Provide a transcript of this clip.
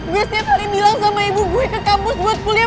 gue setiap kali bilang sama ibu gue ke kampus buat kuliah